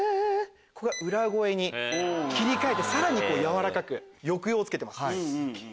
ここ裏声に切り替えてさらにやわらかく抑揚をつけてます。